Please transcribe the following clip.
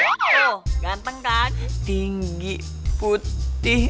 aduh ganteng kan tinggi putih